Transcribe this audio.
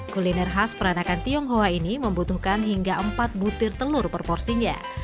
kuliner khas peranakan tionghoa ini membutuhkan hingga empat butir telur per porsinya